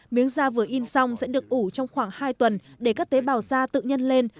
miếng da vừa in xong sẽ được ủ trong khoảng hai tuần để các tế bào da tự nhân lên